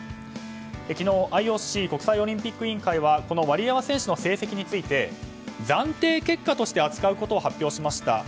昨日、ＩＯＣ・国際オリンピック委員会はワリエワ選手の成績について暫定結果として扱うことを発表しました。